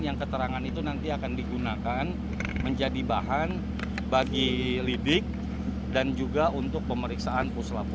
yang keterangan itu nanti akan digunakan menjadi bahan bagi lidik dan juga untuk pemeriksaan puslap